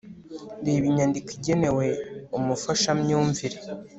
reba inyandiko igenewe umufashamyumvire